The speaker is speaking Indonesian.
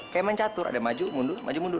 kayak main catur ada maju mundur maju mundur